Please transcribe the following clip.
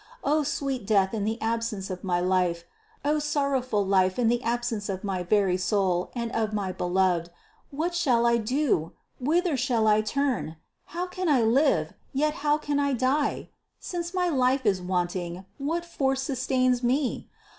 O sweet death in the absence of my life ! O sorrowful life in the absence of my very soul and of my Beloved! What shall I do? Whither shall I turn? How can I live, yet how can I die? Since my life is wanting, what force sustains me?